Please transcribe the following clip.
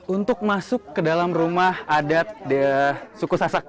untuk masuk ke dalam rumah adat suku sasak